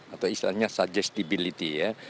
atau istilahnya suggestibility ya